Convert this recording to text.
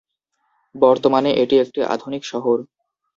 বর্তমানে এটি একটি আধুনিক শহর।